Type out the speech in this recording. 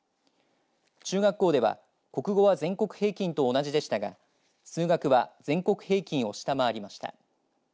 中学校では、国語は全国平均と同じでしたが数学は全国平均を下回りました。